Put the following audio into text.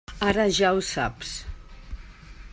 Ara ja ho saps.